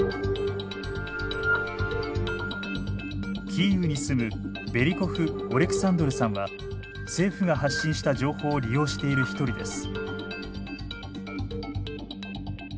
キーウに住むベリコフ・オレクサンドルさんは政府が発信した情報を利用している一人です。